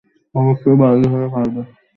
অবশ্যই, বাজি ধরে পরবে।